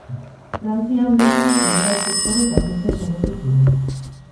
Frantzian bertan zenbait sektore kaltetzen saiatu ziren.